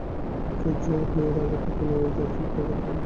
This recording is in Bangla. আফসোস যে, আপনি এর আগে কখনও এই জারজের চোখে মনোযোগ দেননি।